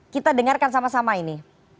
kita dengarkan sama sama ini